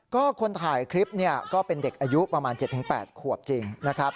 ก็คนถ่ายคลิปเนี่ยก็เป็นเด็กอายุประมาณ๗๘ขวบจริงนะครับ